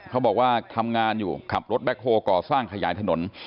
เขาบอกว่าทำงานอยู่ขับรถแบ็คโฮลก่อสร้างขยายถนน